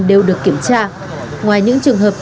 dạ anh nhớ